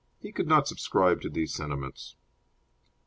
He could not subscribe to these sentiments.